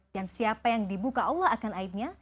dan siapa yang dibuka allah akan aibnya